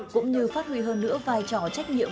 cũng như phát huy hơn nữa vai trò trách nhiệm